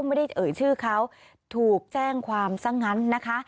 ไม่ได้เอ่ยชื่อเขาถูกแจ้งความซะงั้นนะคะ